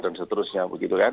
dan seterusnya begitu kan